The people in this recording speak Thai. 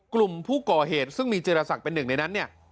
กลุ่มผู้ก่อเหตุซึ่งมีเจรศักดิ์เป็นหนึ่งในนั้นเนี่ย